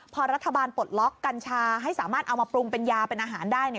พอรัฐบาลปลดล็อกกัญชาให้สามารถเอามาปรุงเป็นยาเป็นอาหารได้เนี่ย